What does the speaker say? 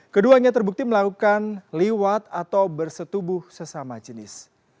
keduanya terbukti melakukan liwat atau bersetubuh sesama jenis